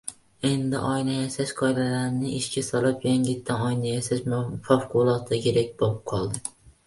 Endi oyna yasash qoidalarini ishga solib, yangitdan oyna yasash favqulotda kerak bo‘lib qoldi.